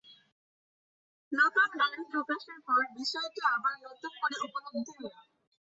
নতুন গান প্রকাশের পর বিষয়টি আবার নতুন করে উপলব্ধি হলো।